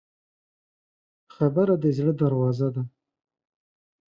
خبره د زړه دروازه ده.